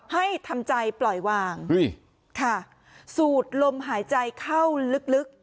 ให้ทำใจปล่อยวางค่ะสูดลมหายใจเข้าลึก